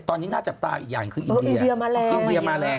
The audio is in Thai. ตอนนี้หน้าจับตาอีกอย่างคืออินเดีย